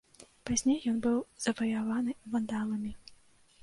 Пазней ён быў заваяваны вандаламі.